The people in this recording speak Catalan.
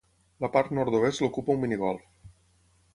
La part nord-oest l'ocupa un minigolf.